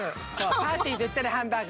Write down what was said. パーティーといったらハンバーグ。